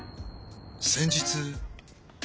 先日。